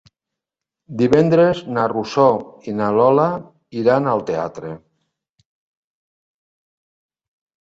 Divendres na Rosó i na Lola iran al teatre.